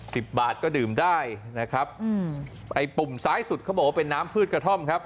สิบบาทก็ดื่มได้นะครับอืมไอ้ปุ่มซ้ายสุดเขาบอกว่าเป็นน้ำพืชกระท่อมครับ